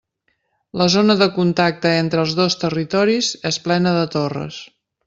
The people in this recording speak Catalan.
La zona de contacte entre els dos territoris és plena de torres.